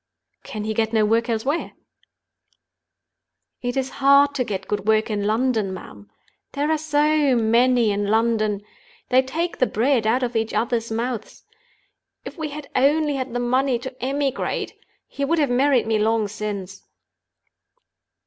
"Can he get no work elsewhere?" "It's hard to get good work in London, ma'am. There are so many in London—they take the bread out of each other's mouths. If we had only had the money to emigrate, he would have married me long since."